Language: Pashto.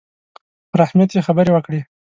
پر اهمیت یې خبرې وکړې.